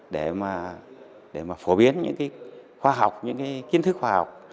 để mà phổ biến những cái khoa học những cái kiến thức khoa học